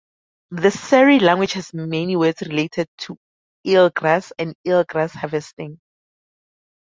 The Seri language has many words related to eelgrass and eelgrass-harvesting.